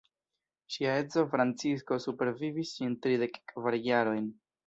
Ŝia edzo Francisko supervivis ŝin tridek kvar jarojn.